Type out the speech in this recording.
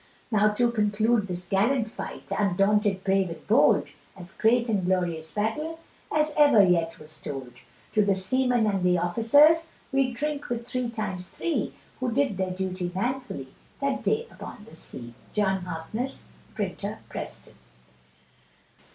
Now to conclude this gallant fight, Undaunted brave and bold, As great and glorious battle As ever yet was told, To the seaman and the officers, We drink with three times three, Who did their duty manfully That day upon the sea. John Harkness, Printer, Preston.